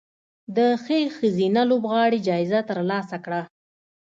د ښې ښځینه لوبغاړې جایزه ترلاسه کړه